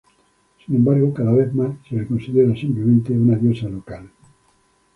Sin embargo, cada vez más, se la considera, simplemente, una diosa local.